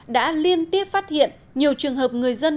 đã liên tiếp phát hiện nhiều trường hợp người dân